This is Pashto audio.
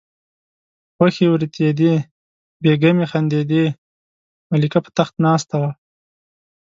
غوښې وریتېدې بیګمې خندېدې ملکه په تخت ناسته وه.